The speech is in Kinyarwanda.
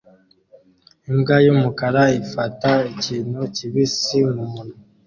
Imbwa yumukara ifata ikintu kibisi mumunwa